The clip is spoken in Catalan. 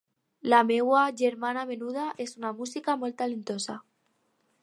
La meua germana menuda és una música molt talentosa.